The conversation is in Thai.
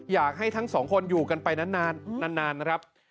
อยากให้ทั้งสองคนอยู่กันไปนานนะครับ